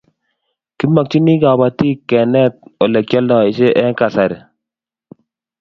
kimakchini kabatik kenet ole kikoldoishe eng' kasari